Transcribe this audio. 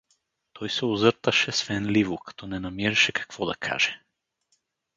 Той се озърташе свенливо, като не намираше какво да каже.